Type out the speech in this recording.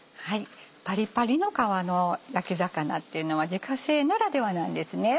パリパリの皮の焼き魚っていうのは自家製ならではなんですね。